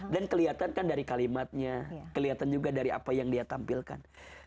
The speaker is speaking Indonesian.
dan kelihatan kan dari kalimatnya kelihatan juga dari apa yang dia tampilkan